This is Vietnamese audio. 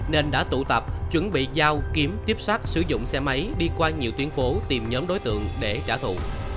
nên đã tụ tập chuẩn bị giao kiếm tiếp sát sử dụng xe máy đi qua nhiều tuyến phố tìm nhóm đối tượng để trả thù